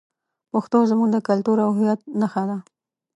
پښتو زموږ د کلتور او هویت نښه ده.